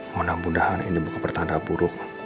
mudah mudahan ini bukan pertanda buruk